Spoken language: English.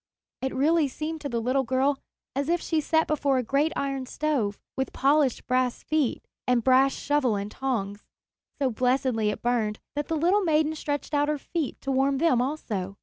It really seemed to the little girl as if she sat before a great iron stove, with polished brass feet and brass shovel and tongs. So blessedly it burned that the little maiden stretched out her feet to warm them also.